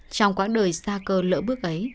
trong quãng đời xa cơ lỡ bước ấy